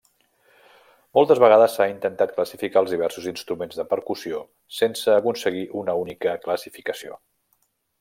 Moltes vegades s'ha intentat classificar els diversos instruments de percussió sense aconseguir una única classificació.